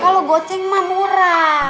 kalau goceng mah murah